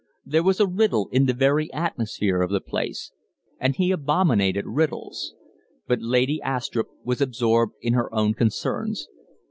There was a riddle in the very atmosphere of the place and he abominated riddles. But Lady Astrupp was absorbed in her own concerns.